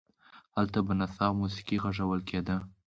هلته به نڅا او موسیقي غږول کېده.